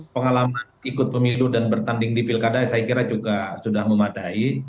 pengalaman ikut pemilu dan bertanding di pilkada saya kira juga sudah memadai